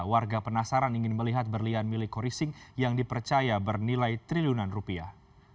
warga penasaran ingin melihat berlian milik khori singh yang dipercaya bernilai triliunan rupiah